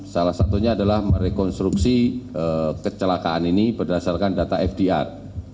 salah satunya adalah merekonstruksi kecelakaan ini berdasarkan data fdr